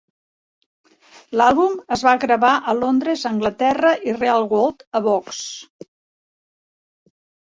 L"Àlbum es va gravar a Londres, Anglaterra, i Real World a Box.